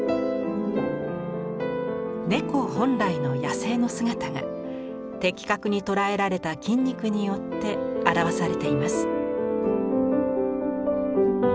猫本来の野性の姿が的確に捉えられた筋肉によって表されています。